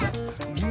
うん。